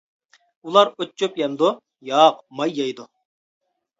—ئۇلار ئوت-چۆپ يەمدۇ؟ —ياق، ماي يەيدۇ.